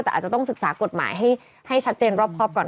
แต่อาจจะต้องศึกษากฎหมายให้ชัดเจนรอบครอบก่อน